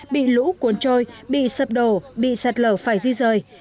bị lũ cuốn trôi bị sập đổ bị sạt lở phải di rời